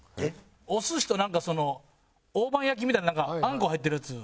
お寿司となんかその大判焼きみたいなあんこ入ってるやつ。